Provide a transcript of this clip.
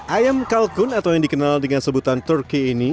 ayam kalkun atau yang dikenal dengan sebutan turki ini